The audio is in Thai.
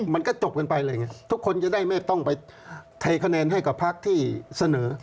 มันก็จบกันไปอะไรอย่างนี้ทุกคนจะได้ไม่ต้องไปเทคะแนนให้กับพักที่เสนอ